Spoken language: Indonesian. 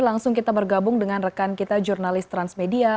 langsung kita bergabung dengan rekan kita jurnalis transmedia